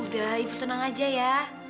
udah ibu tenang aja ya